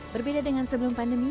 berbeda dengan sebelum pandemi